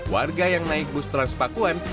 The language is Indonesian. warga yang naik bus transpakuan